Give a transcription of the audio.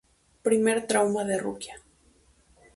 Primer trauma de Rukia.